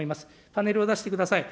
パネルを出してください。